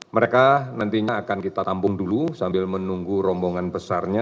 mereka nantinya akan kita tampung dulu sambil menunggu rombongan besarnya